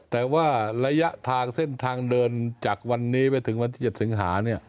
แต่ว่าระยะทางเส้นทางเดินจากวันนี้ไปถึงวันที่๗สิงหา